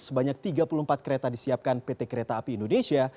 sebanyak tiga puluh empat kereta disiapkan pt kereta api indonesia